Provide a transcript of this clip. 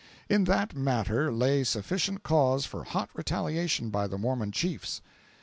In that matter lay sufficient cause for hot retaliation by the Mormon chiefs.